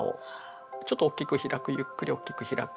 ちょっとおっきく開くゆっくりおっきく開く。